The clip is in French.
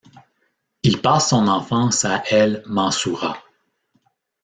Il passe son enfance à El Mansoura.